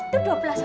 itu dua belas orang